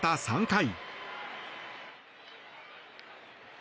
３回。